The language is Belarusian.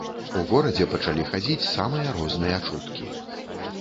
У горадзе пачалі хадзіць самыя розныя чуткі.